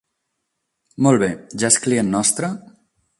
Molt bé, ja és client nostre?